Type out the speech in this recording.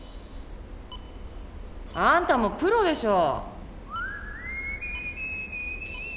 あんたもプロでしょ！